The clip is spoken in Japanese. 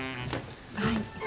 はい。